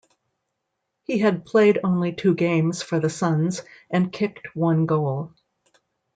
He had played only two games for the Suns and kicked one goal.